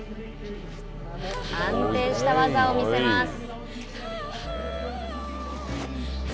安定した技を見せます。